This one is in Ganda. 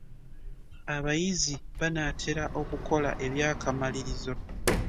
Abayizi banaatera okukola eby'akamalirizo.